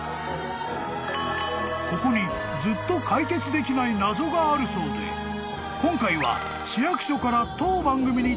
［ここにずっと解決できない謎があるそうで今回は当番組に］